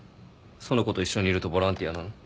その子と一緒にいるとボランティアなの？